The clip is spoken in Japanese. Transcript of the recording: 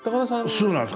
そうなんです。